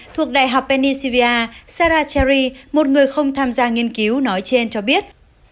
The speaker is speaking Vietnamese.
thuộc đại học pennsylvania sarah cherry một người không tham gia nghiên cứu nói trên cho biết